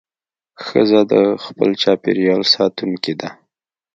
ښځه د خپل چاپېریال ساتونکې ده.